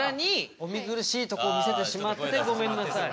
お見苦しいとこ見せてしまってごめんなさい。